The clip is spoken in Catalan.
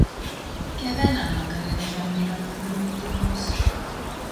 Què venen al carrer de Joan Miró número vint-i-dos?